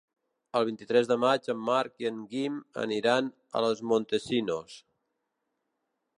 El vint-i-tres de maig en Marc i en Guim aniran a Los Montesinos.